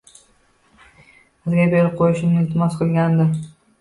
Sizga berib qoʻyishimni iltimos qilgandi.